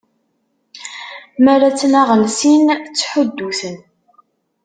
Mi ara ttnaɣen sin, ttḥuddu-ten!